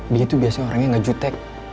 dia tuh biasanya orangnya gak jutek